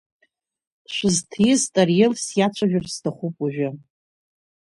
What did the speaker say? Шәызҭииз Тариал сиацәажәар сҭахуп уажәы.